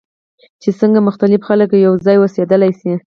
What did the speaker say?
چې څنګه مختلف خلک یوځای اوسیدلی شي.